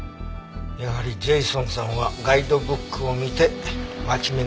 やはりジェイソンさんはガイドブックを見て町巡りをしていたんだね。